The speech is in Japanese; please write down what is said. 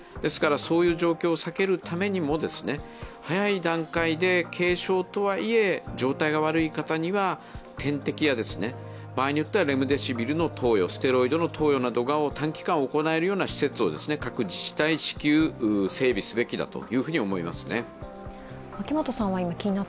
そういう状況を避けるためにも早い段階で、軽症とはいえ状態が悪い方には、点滴や場合によってはレムデシビルの投与、ステロイドの投与などが短期間行えるような施設を各自治体、至急整備すべきだというふうに思いますね。